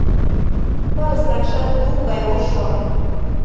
Пырыс такшат лум гай ошо.